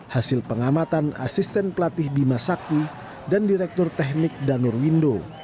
hasil pengamatan asisten pelatih bima sakti dan direktur teknik danur window